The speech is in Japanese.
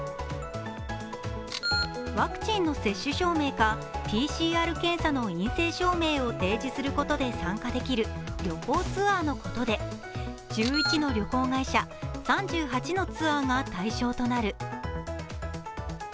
ワクチンの接種証明かＰＣＲ検査の陰性証明を提示することで参加できる旅行ツアーのことで１１の旅行会社、３８のツアーが対象となる。